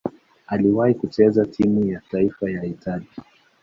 Aliwahi kucheza timu ya taifa ya Italia.